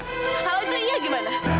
kalau itu iya gimana